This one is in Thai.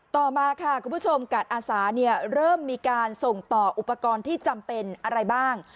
ต่อมาค่ะคุณผู้ชมกาดอาสาเริ่มมีการส่งต่ออุปกรณ์ที่จำเป็นอะไรบ้าง